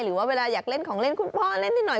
หรือว่าเวลาอยากเล่นของเล่นคุณพ่อเล่นนิดหน่อย